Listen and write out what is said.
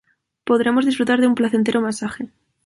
Podremos disfrutar de un placentero masaje.